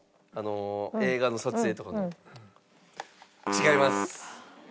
違います。